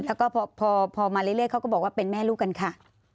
แล้วก็พอมาเรื่อยเขาก็บอกว่าเป็นแม่ลูกกันค่ะ